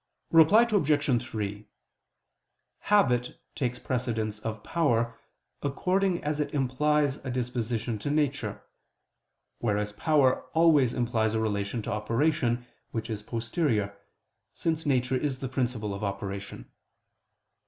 Reply Obj. 3: Habit takes precedence of power, according as it implies a disposition to nature: whereas power always implies a relation to operation, which is posterior, since nature is the principle of operation.